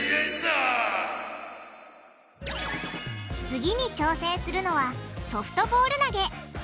次に挑戦するのはソフトボール投げ。